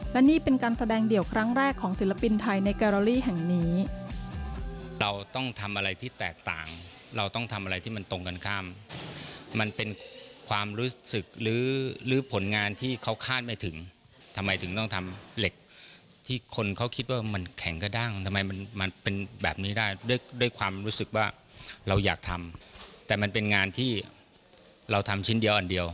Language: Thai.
และนี่เป็นการแสดงเดี่ยวครั้งแรกของศิลปินไทยในการลี่แห่งนี้